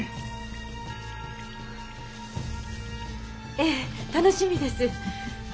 ええ楽しみです。